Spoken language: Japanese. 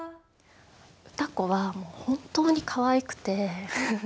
歌子はもう本当にかわいくて。